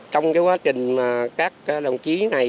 trong cái quá trình các đồng chí này